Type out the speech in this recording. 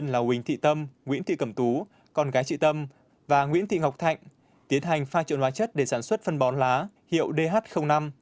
nguyễn thị cẩm tú con gái chị tâm và nguyễn thị ngọc thạnh tiến hành pha trộn hóa chất để sản xuất phân bón lá hiệu dh năm